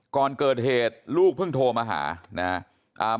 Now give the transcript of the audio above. ก่อนเกิดเหตุลูกเพิ่งโทรมาหานะครับ